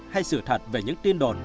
hay sự thật về những tin đồn